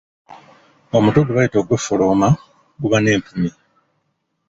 Omutwe gwe bayita ogweffolooma guba n’empumi.